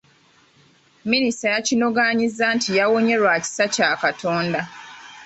Minisita yakinogaanyizza nti yawonye lwa kisa kya Katonda.